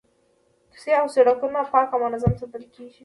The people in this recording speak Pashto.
کوڅې او سړکونه پاک او منظم ساتل کیږي.